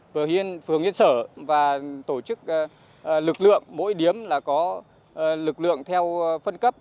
tiến sở và tổ chức lực lượng mỗi điếm là có lực lượng theo phân cấp